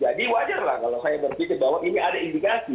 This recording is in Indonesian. jadi wajar lah kalau saya berbicara bahwa ini ada indikasi